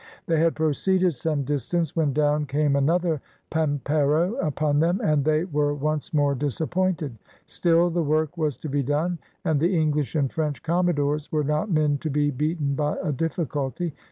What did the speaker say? They had proceeded some distance, when down came another pampeiro upon them, and they were once more disappointed. Still the work was to be done, and the English and French commodores were not men to be beaten by a difficulty.